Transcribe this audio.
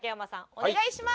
お願いします！